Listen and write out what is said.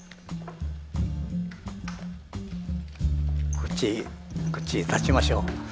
こっちこっち立ちましょう。